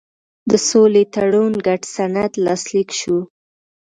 د سولې تړون ګډ سند لاسلیک شو.